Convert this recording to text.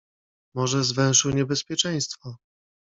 "Może zwęszył niebezpieczeństwo?"